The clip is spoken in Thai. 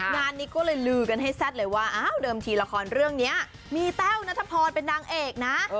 งานนี้ก็เลยลือกันให้แซ่ดเลยว่าอ้าวเดิมทีละครเรื่องนี้มีแต้วนัทพรเป็นนางเอกนะ